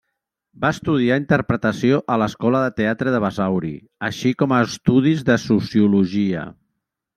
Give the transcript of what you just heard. Va estudiar interpretació a l'Escola de Teatre de Basauri, així com estudis de sociologia.